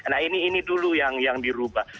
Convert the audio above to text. nah ini dulu yang dirubah